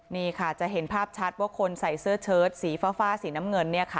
นี่ค่ะจะเห็นภาพชัดว่าคนใส่เสื้อเชิดสีฟ้าสีน้ำเงิน